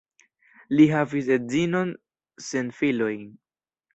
Li havis edzinon sen filoj.